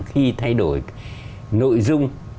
khi thay đổi nội dung